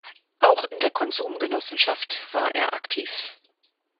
Auch in der Konsumgenossenschaft war er aktiv.